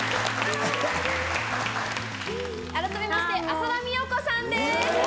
改めまして浅田美代子さんです。